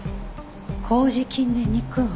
麹菌で肉を？